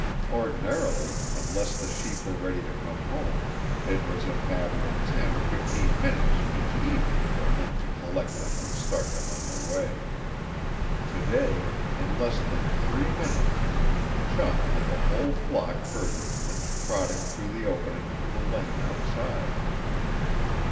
Ordinarily unless the sheep were ready to come home it was a matter of ten or fifteen minutes each evening for Link to collect them and start them on their way. To day, in less than three minutes, Chum had the whole flock herded and trotting through the opening, to the lane outside.